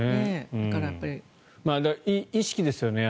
意識ですよね。